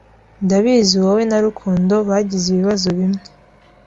Ndabizi wowe na Rukundo bagize ibibazo bimwe.